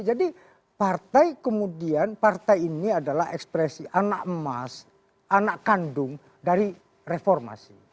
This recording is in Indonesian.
jadi partai kemudian partai ini adalah ekspresi anak emas anak kandung dari reformasi